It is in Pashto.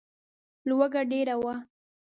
لوږه ډېره وه.